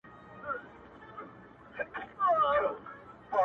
چي خاوند به یې روان مخ پر کوټې سو!.